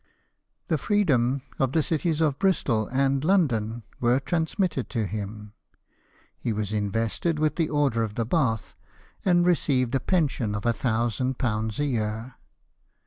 The freedom of the cities of Bristol and London were transmitted to him ; he was invested Avith the Order of the Bath, and received a pension of £1,000 a year.